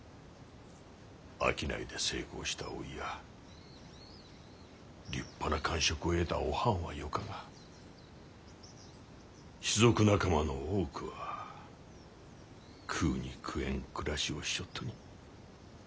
商いで成功したおいや立派な官職を得たおはんはよかが士族仲間の多くは食うに食えん暮らしをしちょっとに。